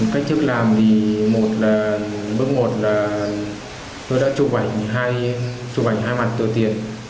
cách thức làm thì bước một là tôi đã chụp ảnh hai mặt tựa tiền